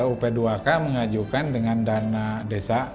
up dua k mengajukan dengan dana desa